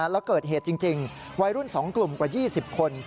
แล้วเกิดเหตุจริงวัยรุ่น๒กลุ่มกว่า๒๐คน